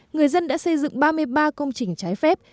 người dân đã xây dựng ba mươi ba công trình trái phép